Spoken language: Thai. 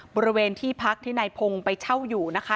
บริเวณที่พักที่นายพงศ์ไปเช่าอยู่นะคะ